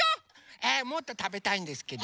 えっもっとたべたいんですけど。